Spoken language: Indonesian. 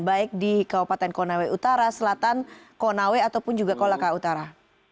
baik di kabupaten konawe utara selatan konawe ataupun juga kolaka utara